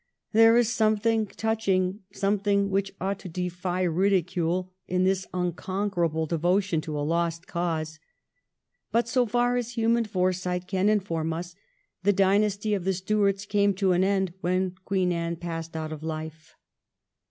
There is something touching, something which ought to defy ridicule, in this unconquerable devotion to a lost cause. But, so far as human foresight can inform us, the dynasty of the Stuarts came to an end when Queen Anne passed out of life.